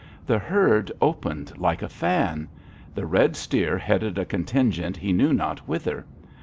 The herd opened like a fan. The red steer headed a contingent he knew not whither.